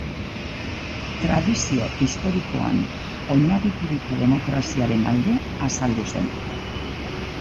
Tradizio historikoan oinarrituriko demokraziaren alde azaldu zen.